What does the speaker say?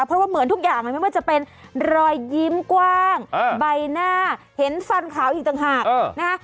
เพราะว่าเหมือนทุกอย่างมันไม่ว่าจะเป็นรอยยิ้มกว้างใบหน้าเห็นฟันขาวอีกต่างหากนะฮะ